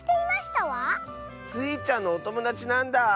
スイちゃんのおともだちなんだ。